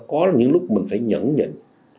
có những lúc mình phải nhẫn nhẫn